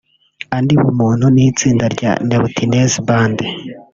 Andy Bumuntu n’itsinda rya Neptunez Band